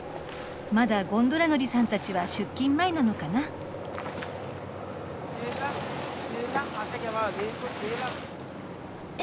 まだゴンドラ乗りさんたちは出勤前なのかな。え？